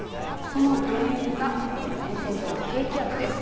その原因が前線上の低気圧です。